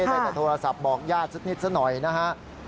ในแต่โทรศัพท์บอกญาติสักนิดหน่อยนะครับ